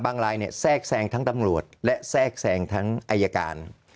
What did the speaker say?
รายเนี่ยแทรกแซงทั้งตำรวจและแทรกแทรงทั้งอายการ